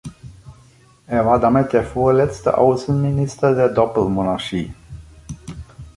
Er war damit der vorletzte Außenminister der Doppelmonarchie.